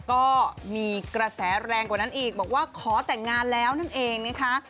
ก็มีกระแสแรงกว่านั้นอีกบอกว่าขอแต่งงานแล้วนั่นเองนะคะ